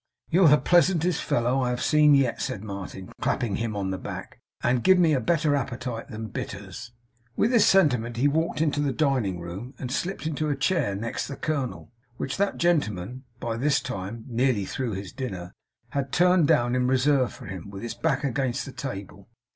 'You're the pleasantest fellow I have seen yet,' said Martin clapping him on the back, 'and give me a better appetite than bitters.' With this sentiment he walked into the dining room and slipped into a chair next the colonel, which that gentleman (by this time nearly through his dinner) had turned down in reserve for him, with its back against the table.